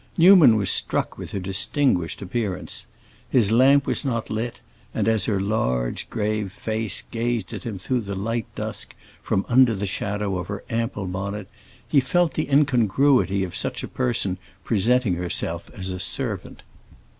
Newman was struck with her distinguished appearance. His lamp was not lit, and as her large, grave face gazed at him through the light dusk from under the shadow of her ample bonnet, he felt the incongruity of such a person presenting herself as a servant.